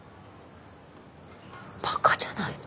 馬鹿じゃないの？